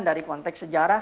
dari konteks sejarah